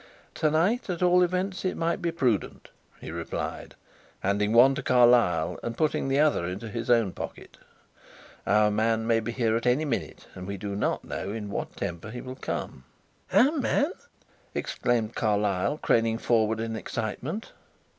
"To night, at all events, it might be prudent," he replied, handing one to Carlyle and putting the other into his own pocket. "Our man may be here at any minute, and we do not know in what temper he will come." "Our man!" exclaimed Carlyle, craning forward in excitement.